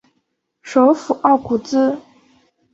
首府奥古兹。